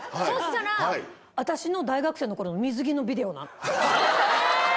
そうしたら、私の大学生のころの水着のビデオなの。